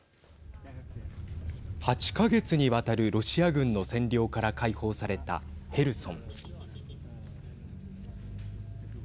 ８か月にわたるロシア軍の占領から解放されたヘルソン。